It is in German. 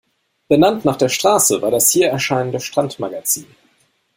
Benannt nach der Straße war das hier erscheinende Strand Magazin.